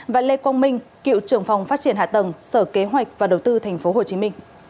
và lê quang minh cựu trưởng phòng phát triển hạ tầng sở kế hoạch và đầu tư tp hcm